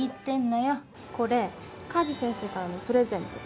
これ加地先生からのプレゼント。